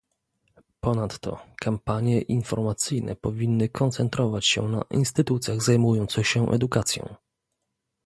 Ponadto kampanie informacyjne powinny koncentrować się na instytucjach zajmujących się edukacją